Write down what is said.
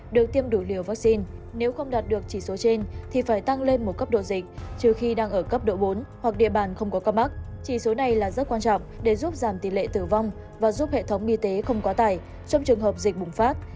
điều này giúp giảm tỷ lệ tử vong và giúp hệ thống y tế không quá tải trong trường hợp dịch bùng phát